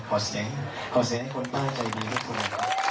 ขอเสียงขอเสียงให้คนบ้านใจดีที่คุณ